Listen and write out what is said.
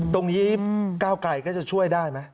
ตรงนี้ก้าวไกลก็จะช่วยได้ไหม